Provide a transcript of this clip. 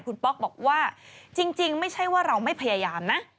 คุณป๊อกบอกว่าจริงไม่ใช่ว่าเราไม่พยายามนะ